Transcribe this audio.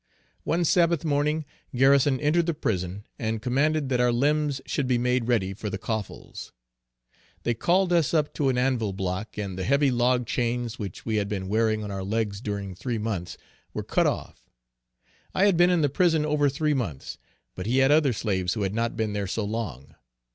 One Sabbath morning Garrison entered the prison and commanded that our limbs should be made ready for the coffles. They called us up to an anvill block, and the heavy log chains which we had been wearing on our legs during three months, were cut off. I had been in the prison over three months; but he had other slaves who had not been there so long.